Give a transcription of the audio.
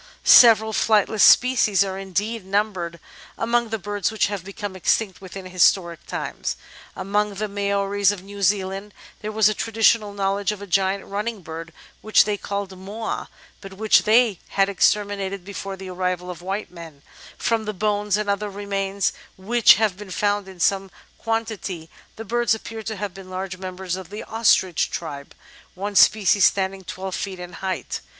Several flightless species are indeed numbered among the birds which have become extinct within historic times. Among the Maoris of New Zealand there was a traditional knowledge of a giant running bird which they called "Moa," but which they had exterminated before the arrival of white men ; from the bones and other remains which have been found in some quantity the birds appear to have been large members of the Ostrich tribe, one species standing 12 feet in height.